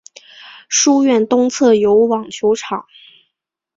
书院东侧有网球场。